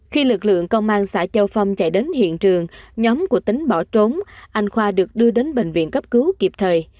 khi lực lượng công an xã châu phong chạy đến hiện trường nhóm của tính bỏ trốn anh khoa được đưa đến bệnh viện cấp cứu kịp thời